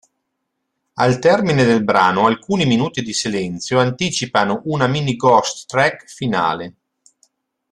Al termine del brano alcuni minuti di silenzio anticipano una mini ghost track finale.